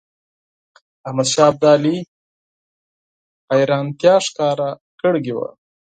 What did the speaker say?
احمدشاه ابدالي حیرانیتا ښکاره کړې وه.